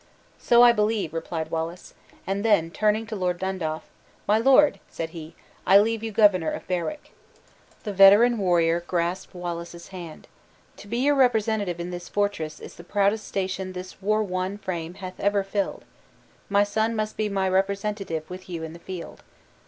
"So I believe," replied Wallace; and then turning to Lord Dundaff "My lord," said he, "I leave you governor of Berwick." The veteran warrior grasped Wallace's hand. "To be your representative in this fortress, is the proudest station this warworn frame hath ever filled. My son must be my representative with you in the field."